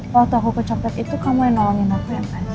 waktu aku pencopet itu kamu yang nolongin aku ya mas